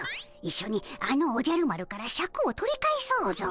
いっしょにあのおじゃる丸からシャクを取り返そうぞ！